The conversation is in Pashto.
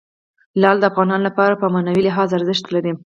لعل د افغانانو لپاره په معنوي لحاظ ارزښت لري.